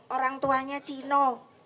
orang tuanya cino